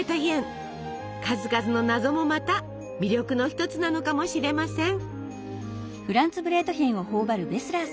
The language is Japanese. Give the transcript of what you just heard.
数々の謎もまた魅力の一つなのかもしれません。